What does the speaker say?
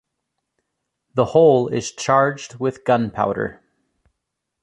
The hole is charged with gunpowder.